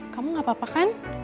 kamu gak apa apa kan